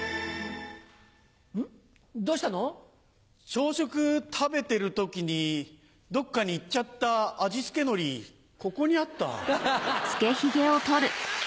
朝食食べてる時にどっかにいっちゃった味付けのりここにあった。